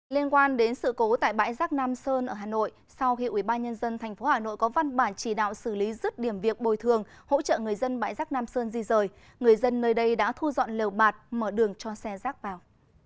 liên quan đến sự cố tại bãi rác nam sơn ở hà nội sau khi ubnd tp hà nội có văn bản chỉ đạo xử lý rứt điểm việc bồi thường hỗ trợ người dân bãi rác nam sơn di rời người dân nơi đây đã thu dọn lều bạt mở đường cho xe rác vào